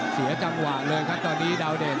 เสียจังหวะเลยครับตอนนี้ดาวเดช